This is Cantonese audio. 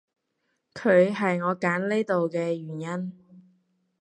佢係我揀嚟呢度嘅原因